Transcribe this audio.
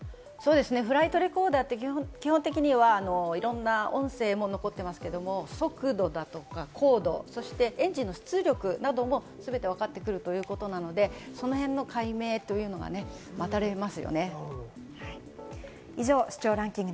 フライトレコーダーって基本的にはいろんな音声も残っていますけれども、速度だとか高度、そしてエンジンの出力などもすべてわかってくるということなので、その辺の解明というのが待たれますよね。